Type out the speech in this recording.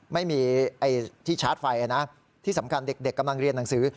ไม่มีที่ชาร์จไฟนะที่สำคัญเด็กกำลังเรียนหนังสือ